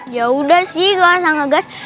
yaudah sih nggak usah ngegas